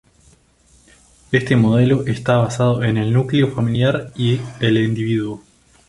Este modelo está basado en el núcleo familiar y el individuo.